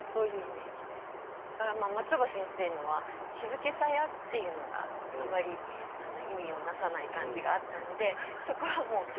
だから松尾葉先生のは「静けさや」っていうのがあんまり意味を成さない感じがあったのでそこはもう消してしまって。